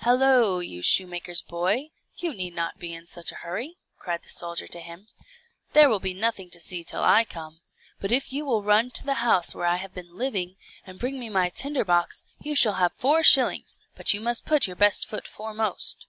"Hallo, you shoemaker's boy, you need not be in such a hurry," cried the soldier to him. "There will be nothing to see till I come; but if you will run to the house where I have been living, and bring me my tinder box, you shall have four shillings, but you must put your best foot foremost."